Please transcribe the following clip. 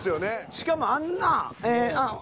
しかもあんな。